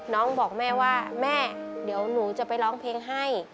น้องบอกแม่ว่าแม่เดี๋ยวหนูจะไปร้องเพลงให้